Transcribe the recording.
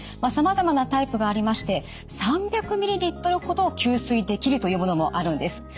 さまざまなタイプがありまして３００ｍＬほど吸水できるというものもあるんです。